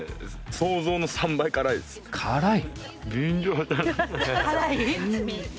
辛い？